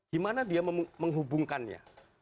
gimana dia menghubungkannya